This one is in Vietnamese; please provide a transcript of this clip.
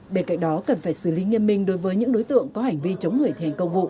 bên cạnh đó cần phải xử lý nghiêm minh đối với những đối tượng có hành vi chống người thi hành công vụ